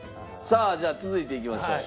さあじゃあ続いていきましょう。